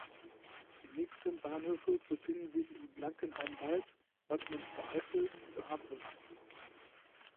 Die nächsten Bahnhöfe befinden sich in Blankenheim-Wald, Bad Münstereifel und Ahrbrück.